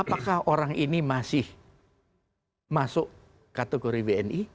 apakah orang ini masih masuk kategori wni